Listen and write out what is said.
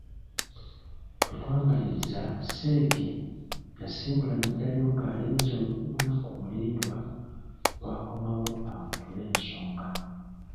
Bwe twamaliriza Sseeki yasimbula n'addayo ng'alinze lunaku mulindwa lw'akomawo akutule ensonga.